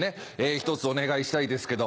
ひとつお願いしたいですけど。